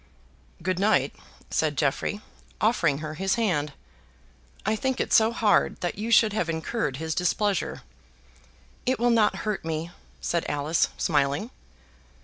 "Good night," said Jeffrey, offering her his hand. "I think it so hard that you should have incurred his displeasure." "It will not hurt me," said Alice, smiling.